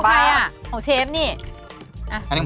แป้งเราดีมากจริงอะ